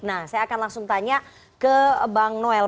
nah saya akan langsung tanya ke bang noel